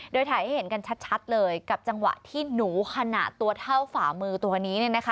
โดยถ่ายให้เห็นกันชัดเลยกับจังหวะที่หนูขนาดตัวเท่าฝ่ามือตัวนี้